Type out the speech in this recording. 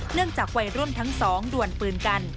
เนื่องจากวัยร่วมทั้งสองด่วนปืนกัน